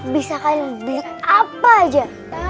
bisa kalian beli apa aja